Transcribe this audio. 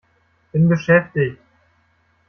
Bin beschäftigt!